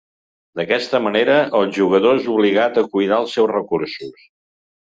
D'aquesta manera, el jugador és obligat a cuidar els seus recursos.